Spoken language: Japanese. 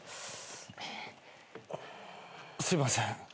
すいません。